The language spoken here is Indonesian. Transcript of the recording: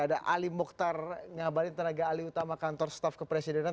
ada ali mukhtar ngabalin tenaga alih utama kantor staf kepresidenan